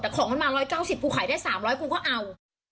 แต่ของมันมา๑๙๐กูขายได้๓๐๐กูก็เอา